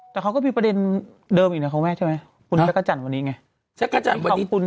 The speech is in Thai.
แต่เขาก็มีประเด็นเดิมอีกนะครับคุณทักษะจันทร์วันนี้ไง